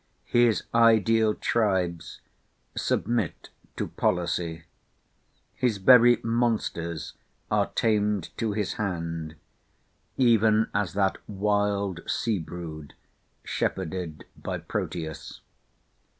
His ideal tribes submit to policy; his very monsters are tamed to his hand, even as that wild sea brood, shepherded by Proteus.